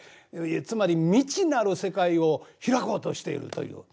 つまり未知なる世界を開こうとしているという。